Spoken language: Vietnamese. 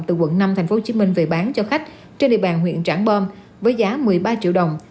từ quận năm tp hcm về bán cho khách trên địa bàn huyện trảng bom với giá một mươi ba triệu đồng